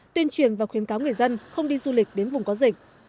tuyên truyền và khuyến cáo người dân không đi du lịch đến vùng có dịch